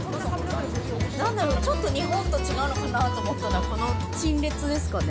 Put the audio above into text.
なんだろう、ちょっと日本と違うのかなと思ったのは、この陳列ですかね。